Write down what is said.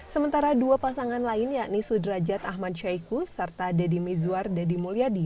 sementara dua pasangan lain yakni sudrajat ahmad syekhus serta dedi mizwar dedi mulyadi